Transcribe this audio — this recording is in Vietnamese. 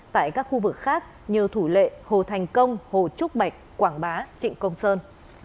tại các khu vực khác như thủ lệ hồ thành công hồ trúc bạch quảng bá trịnh công sơn